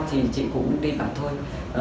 thì chị cũng đi bản thôi